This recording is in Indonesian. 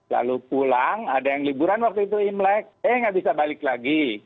lalu pulang ada yang liburan waktu itu imlek eh nggak bisa balik lagi